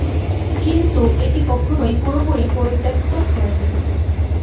কিন্তু এটি কখনই পুরোপুরি পরিত্যক্ত হয়নি।